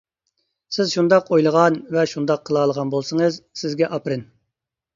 سىز شۇنداق ئويلىغان ۋە شۇنداق قىلالىغان بولسىڭىز سىزگە ئاپىرىن.